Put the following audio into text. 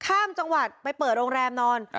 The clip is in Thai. ข้ามจังหวัดไปเปิดโรงแรมนอน